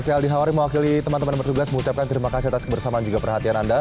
saya aldi hawari mewakili teman teman bertugas mengucapkan terima kasih atas kebersamaan juga perhatian anda